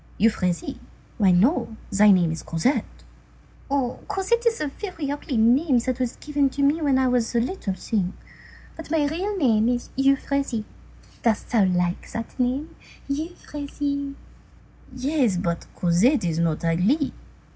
"Euphrasie? Why, no, thy name is Cosette." "Oh! Cosette is a very ugly name that was given to me when I was a little thing. But my real name is Euphrasie. Dost thou like that name—Euphrasie?" "Yes. But Cosette is not ugly."